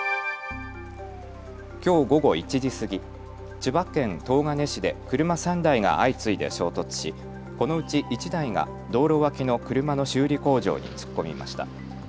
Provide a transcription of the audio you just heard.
きょう午後１時過ぎ、千葉県東金市で車３台が相次いで衝突し、このうち１台が道路脇の車の修理工場に突っ込みました。